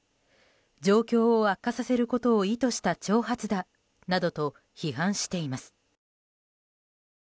状況を悪化させることを意図した挑発だなどと批判しています。